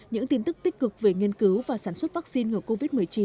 những tin tức tích cực về nghiên cứu và sản xuất vaccine ngừa covid một mươi chín